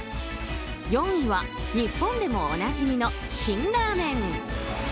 ４位は日本でもおなじみの辛ラーメン。